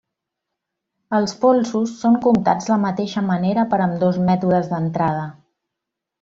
Els polsos són comptats la mateixa manera per ambdós mètodes d'entrada.